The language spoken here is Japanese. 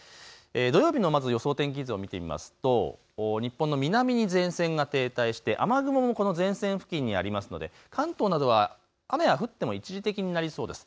土曜日のまず予想天気図を見てみますと、日本の南に前線が停滞して雨雲もこの前線付近にありますので関東などは雨は降っても一時的になりそうです。